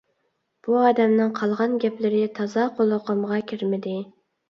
بۇ ئادەمنىڭ قالغان گەپلىرى تازا قۇلىقىمغا كىرمىدى.